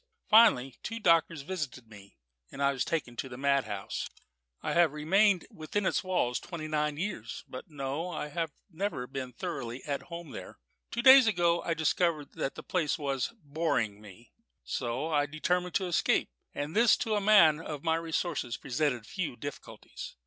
Finally two doctors visited me, and I was taken to a madhouse. "I have remained within its walls twenty nine years; but no I have never been thoroughly at home there. Two days ago I discovered that the place was boring me. So I determined to escape; and this to a man of my resources presented few difficulties.